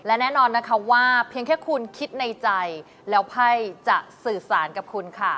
และแน่นอนนะคะว่าเพียงแค่คุณคิดในใจแล้วไพ่จะสื่อสารกับคุณค่ะ